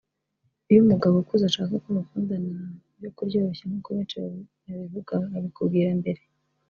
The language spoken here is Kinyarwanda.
Iyo umugabo ukuze ashaka ko mukundana byo kuryoshya nkuko benshi babivuga abikubwira mbere